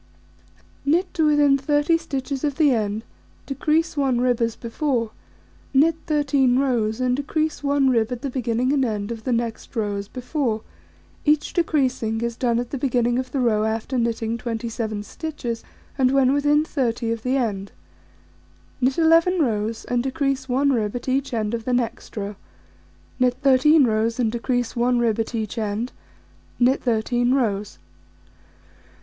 Knit to within 30 stitches of the end, decrease 1 rib as before, knit 13 rows, and decrease 1 rib at the beginning and end of the next row as before: each decreasing is done at the beginning of the row after knitting 27 stitches, and when within 30 of the end; knit 11 rows, and decrease 1 rib at each end of the next row; knit 13 rows, and decrease 1 rib at each end; knit 13 rows.